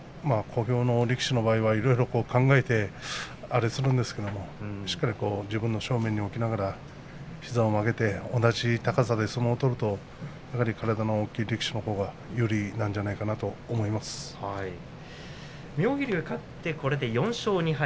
小兵の力士の場合はいろいろ考えて、あれするんですけれどもしっかりと自分の正面に置きながら膝を曲げて同じ高さで相撲を取るとやはり体の大きい力士のほうが妙義龍勝ってこれで４勝２敗。